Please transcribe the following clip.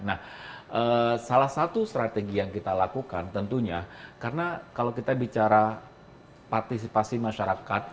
nah salah satu strategi yang kita lakukan tentunya karena kalau kita bicara partisipasi masyarakat